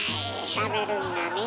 食べるんだねえ。